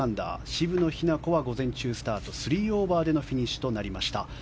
渋野日向子は午前中スタート３オーバーでのフィニッシュとなりました。